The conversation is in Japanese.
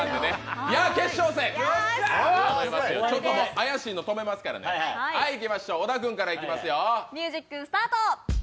怪しいの止めますからね小田君からいきますよ。